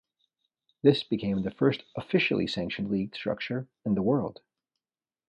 This became the first "officially" sanctioned league structure in the world.